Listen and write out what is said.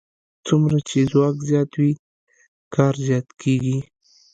څومره چې ځواک زیات وي کار زیات کېږي.